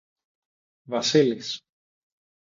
Βασίλης